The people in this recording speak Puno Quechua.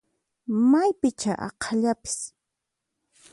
Maypichá aqhallapis!